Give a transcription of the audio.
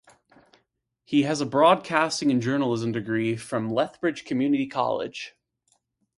He has a broadcasting and journalism degree from Lethbridge Community College.